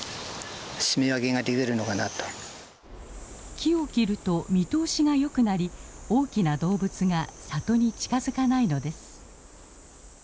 木を切ると見通しがよくなり大きな動物が里に近づかないのです。